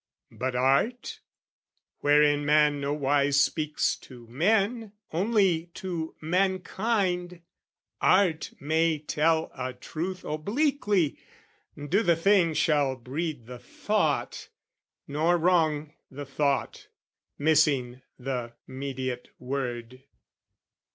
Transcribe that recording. But Art, wherein man nowise speaks to men, Only to mankind, Art may tell a truth Obliquely, do the thing shall breed the thought, Nor wrong the thought, missing the mediate word.